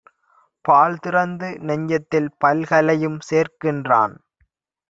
பாழ்திறந்து நெஞ்சத்தில் பல்கலையும் சேர்க்கின்றான்.